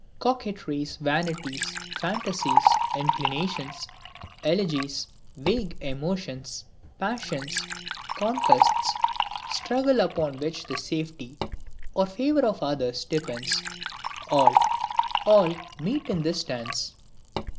Coquetries, vanities, fantasies, inclinations, elegies, vague emotions, passions, conquests, struggles upon which the safety or favor of others depends, all all, meet in this dance.